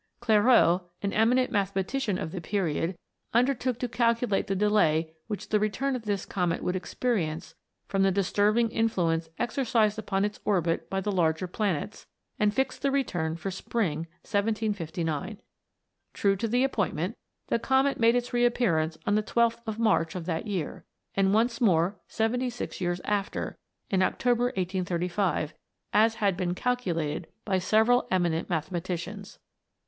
Clairaut, an eminent mathematician of the period, undertook to calculate the delay which the return of this comet would experience from the disturbing influence exercised upon its orbit by the larger planets, and fixed the return for spring, 1759. True to the appointment, the Comet made its re appearance on the 12th of March of that yeai*, and once more 76 years after in October, 1835 as had been calculated by several eminent mathematicians.